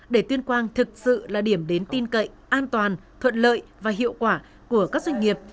để tuyên quang thực sự là điểm đến tin cậy an toàn thuận lợi và hiệu quả của các doanh nghiệp